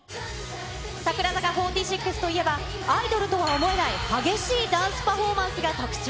櫻坂４６といえば、アイドルとは思えない激しいダンスパフォーマンスが特徴。